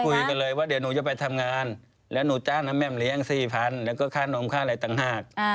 คุยกันเลยว่าเดี๋ยวหนูจะไปทำงานแล้วหนูจ้างนะแม่มเลี้ยง๔๐๐๐แล้วก็ค่านมค่าอะไรต่างหาก